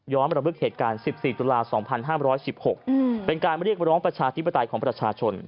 ย้อนบริโรคเหตุการณ์๑๔๒๕๑๖เป็นการมาเรียกบริโรคประชาธิปไตยของประชาชน